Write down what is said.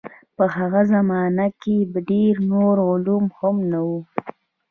په هغه زمانه کې ډېر نور علوم هم نه وو.